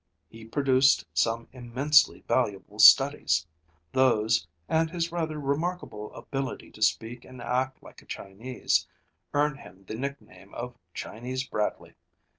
He produced some immensely valuable studies. Those, and his rather remarkable ability to speak and act like a Chinese earned him the nickname of 'Chinese Bradley.'